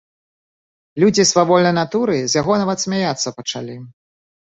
Людзі свавольнай натуры з яго нават смяяцца пачалі.